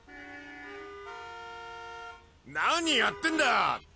何やってんだっ！